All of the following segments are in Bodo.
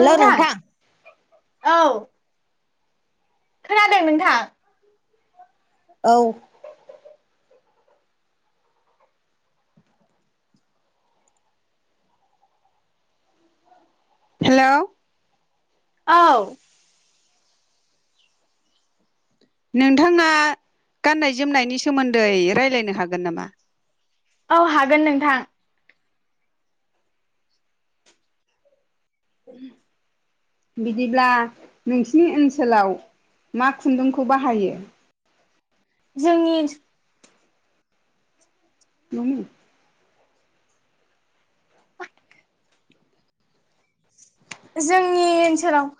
नोंथां औ खोनादों नोंथां? औ हेलौ औ नोंथांना गाननाय जोमनायनि सोमोन्दै रायलायनो हागोन नामा? औ हागोन नोंथां। बिदिब्ला नोंसिनि ओनसोलाव मा खुन्दुंखौ बाहायो जोंनि [unintelligible] जोंनि ओनसोलाव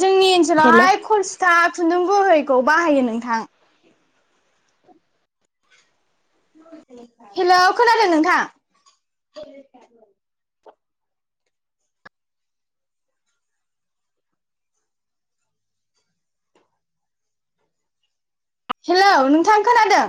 जोंनि हेलौ ओनसोलावहाय खुन्दुं बोहोयखौ बाहायो नोंथां हेल' खोनादों नोंथां [unintelligible] हेल' नोंथां खोनादों